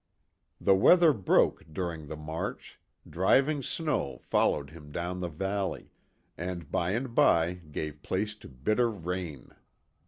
The weather broke during the march; driving snow followed him down the valley, and by and by gave place to bitter rain.